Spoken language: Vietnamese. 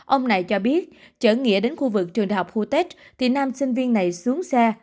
ông này cho biết chở nghĩa đến khu vực trường đại học khu tết thì nam sinh viên này xuống xe